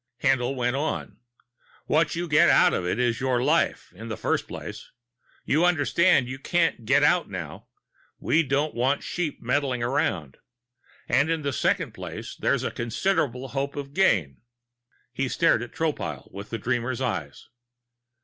Haendl went on: "What you get out of it is your life, in the first place. You understand you can't get out now. We don't want sheep meddling around. And in the second place, there's a considerable hope of gain." He stared at Tropile with a dreamer's eyes.